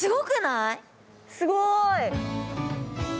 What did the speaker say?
すごーい。